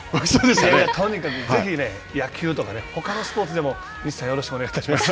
とにかくぜひね、野球とかね、ほかのスポーツでも西さん、よろしくお願いします。